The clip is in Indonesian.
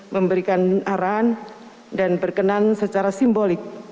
memberikan arahan dan berkenan secara simbolik